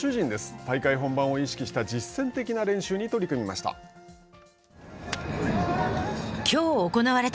大会本番意識した実践的な練習に取り組みました。